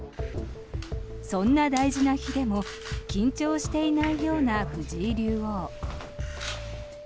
そんな大事な日でも緊張していないような藤井竜王。